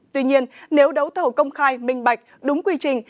tuy nhiên nếu đấu thầu công khai minh bạch đúng quy trình